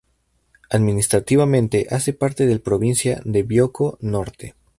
Administrativamente hace parte del provincia de Bioko Norte.